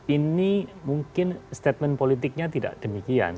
ini mungkin statement politiknya tidak demikian